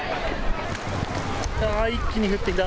一気に降ってきた。